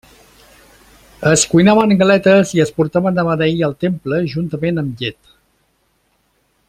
Es cuinaven galetes i es portaven a beneir al temple juntament amb llet.